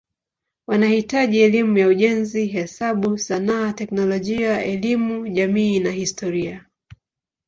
Wanahitaji elimu ya ujenzi, hesabu, sanaa, teknolojia, elimu jamii na historia.